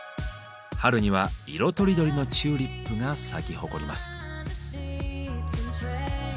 春には色とりどりのチューリップが咲き誇ります。